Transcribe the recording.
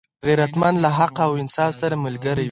غیرتمند له حق او انصاف سره ملګری وي